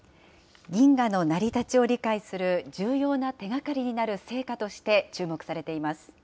銀河の成り立ちを理解する重要な手がかりになる成果として注